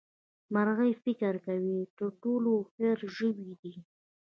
مرغۍ فکر کوي چې تر ټولو هوښيار ژوي دي.